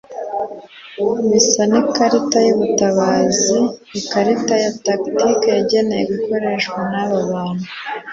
Bisa n'ikarita y'ubutabazi, ikarita ya tactique yagenewe gukoreshwa naba bantu